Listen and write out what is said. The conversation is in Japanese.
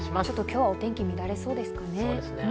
ちょっと今日はお天気、乱れそうですかね。